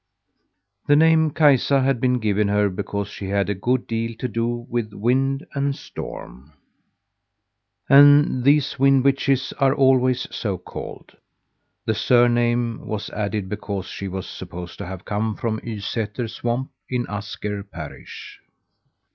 The name Kaisa had been given her because she had a good deal to do with wind and storm and these wind witches are always so called. The surname was added because she was supposed to have come from Ysätter swamp in Asker parish.